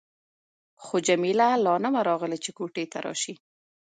خو جميله لا نه وه راغلې چې کوټې ته راشي.